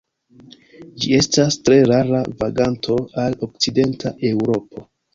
Ĝi estas tre rara vaganto al okcidenta Eŭropo.